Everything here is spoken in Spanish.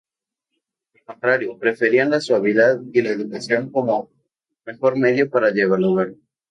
Al contrario, preferían la suavidad y la educación como mejor medio para dialogar.